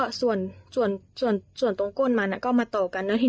ส่วนส่วนส่วนส่วนส่วนตรงก้นมันอ่ะก็มาต่อกันแล้วที